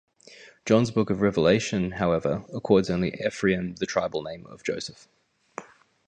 John's Book of Revelation, however, accords only Ephraim the tribal name of Joseph.